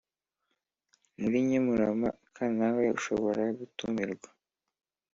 Muri nkemurampaka nawe ushobora gutumirwa